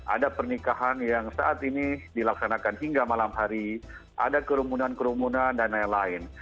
ada pernikahan yang saat ini dilaksanakan hingga malam hari ada kerumunan kerumunan dan lain lain